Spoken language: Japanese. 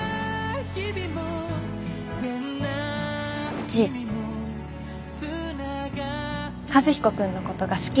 うち和彦君のことが好き。